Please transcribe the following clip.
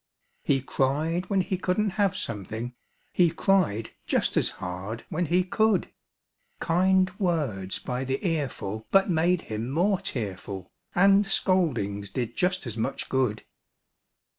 He cried when he couldn't have something; He cried just as hard when he could; Kind words by the earful but made him more tearful, And scoldings did just as much good.